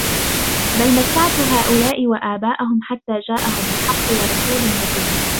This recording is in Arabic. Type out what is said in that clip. بل متعت هؤلاء وآباءهم حتى جاءهم الحق ورسول مبين